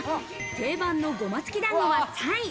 定番のごま付きだんごは３位。